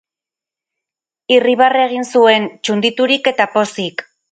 Irribarre egin zuen, txunditurik eta pozik.